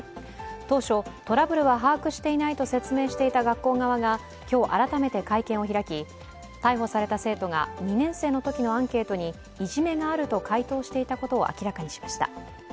当初、トラブルは把握していないと説明していた学校側が今日改めて会見を開き逮捕された生徒が２年生のときのアンケートにいじめがあると回答していたことを明らかにしました。